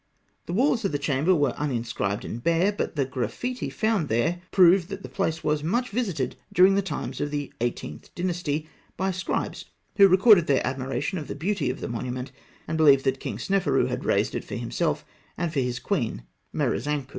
The walls of the chapel were uninscribed, and bare; but the graffiti found there prove that the place was much visited during the times of the Eighteenth Dynasty by scribes, who recorded their admiration of the beauty of the monument, and believed that King Sneferû had raised it for himself and for his queen Meresankhû.